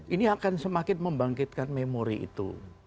ini akan semakin membangkitkan memori itu